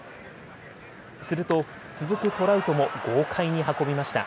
すると続くトラウトも豪快に運びました。